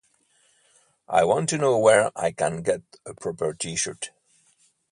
I want to know where I can get a proper t-shirt.